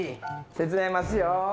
手伝いますよ。